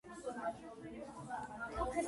მკლავის კამარა ორ საბჯენ თაღს ეყრდნობა.